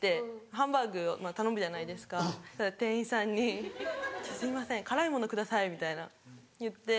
ハンバーグを頼むじゃないですかそしたら店員さんに「すみません辛いもの下さい」みたいな言って。